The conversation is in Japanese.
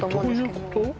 どういうこと？